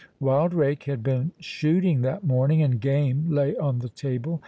Wildrake had been shooting that morning, and game lay on the table.